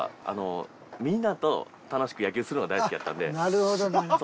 なるほどなるほど。